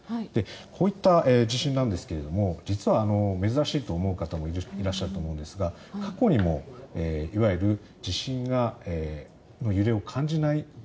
こういった地震なんですが実は珍しいと思う方もいらっしゃると思うんですが過去にもいわゆる地震の揺れを感じない